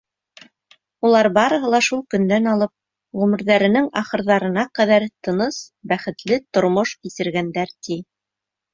Улар барыһы ла шул көндән алып ғүмерҙәренең ахырҙарына ҡәҙәр тыныс, бәхетле тормош кисергәндәр, ти.